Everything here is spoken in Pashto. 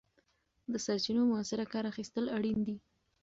د سرچینو مؤثره کار اخیستل اړین دي.